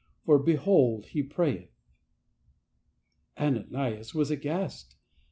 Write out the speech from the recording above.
For behold he prayeth.' " Ananias was aghast.